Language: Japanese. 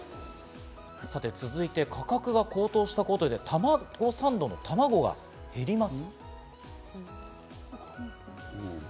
続いて、価格が高騰したことで、たまごサンドのたまごが減ります。